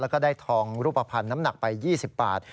แล้วก็ได้ทองรูปภัณฑ์น้ำหนักไป๒๐บาท